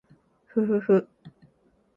ふふふ